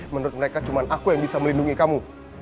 menurut mereka cuma aku yang bisa melindungi kamu